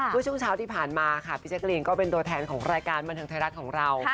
เมื่อช่วงเช้าที่ผ่านมาค่ะพี่แจ๊กรีนก็เป็นตัวแทนของรายการบันเทิงไทยรัฐของเรา